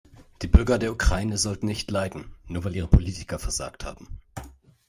Die Bürger der Ukraine sollten nicht leiden, nur weil ihre Politiker versagt haben.